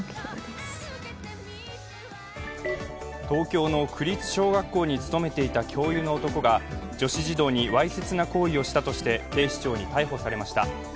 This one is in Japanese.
東京の区立小学校に勤めていた教諭の男が女子児童にわいせつな行為をしたとして警視庁に逮捕されました。